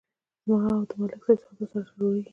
زما او د ملک صاحب سودا سره جوړیږي.